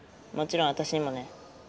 もちろん私にもね。